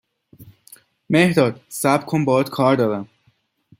مهرداد، صبر کن باهات کار دارم